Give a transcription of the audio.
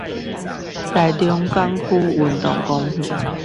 臺中港區運動公園